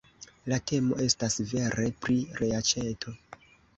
La temo estas vere pri reaĉeto!